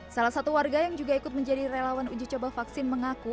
salah satu warga yang juga ikut menjadi relawan uji coba vaksin mengaku